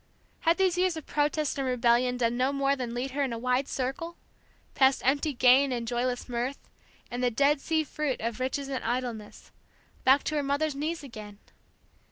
Had these years of protest and rebellion done no more than lead her in a wide circle, past empty gain, and joyless mirth, and the dead sea fruit of riches and idleness, back to her mother's knees again?